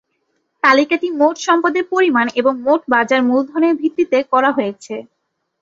তালিকাটি মোট সম্পদের পরিমাণ এবং মোট বাজার মূলধনের ভিত্তিতে করা হয়েছে।